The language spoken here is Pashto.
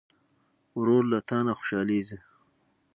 ورور له تا نه خوشحالېږي.